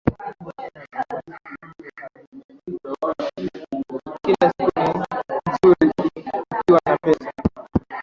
Kila siku ni nzuri ukiwa na pesa